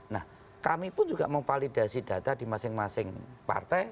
nah kami pun juga memvalidasi data di masing masing partai